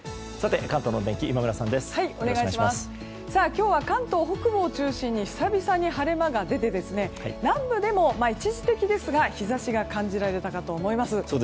今日は関東北部を中心に久々に晴れ間が出て南部でも一時的ですが日差しが感じられたと思います。